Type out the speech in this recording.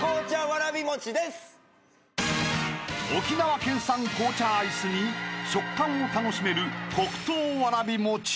［沖縄県産紅茶アイスに食感を楽しめる黒糖わらび餅］